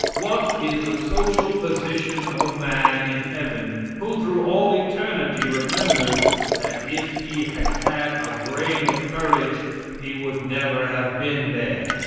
What is the social position of a man in heaven who through all eternity remembers that if he had had a grain of courage he would never have been there.